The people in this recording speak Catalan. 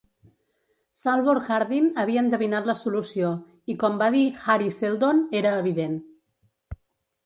Salvor Hardin havia endevinat la solució i, com va dir Hari Seldon, era evident.